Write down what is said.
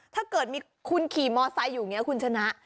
ถ้าเกิดมีคุณขี่มอไซค์อยู่อย่างนี้คุณชนะ